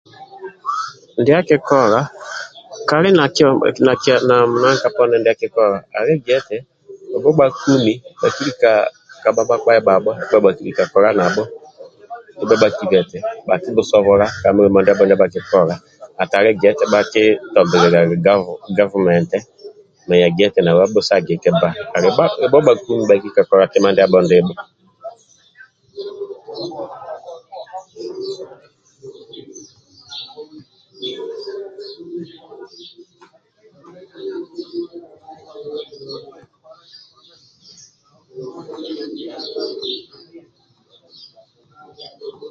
Ndia akikola kali na na na nanka poni ndia akikola ali gia eti ebho bhakumi bhakilika kabha bhakpa ndibhabho nabho ndibha bhakiba eti hakibhusobola ka mulimo ndiabho ndia bhakikola atali gia eti bhakitombililia gavumenti manya gia eti nau abhusagike bba ali bha ebho bhakumi bhakilika kola kima ndiabho ndibho